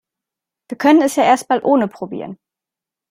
Wir können es ja erst mal ohne probieren.